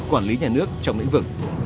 quản lý nhà nước trong lĩnh vực